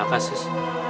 aku di phk sis